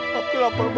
tapi lapar banget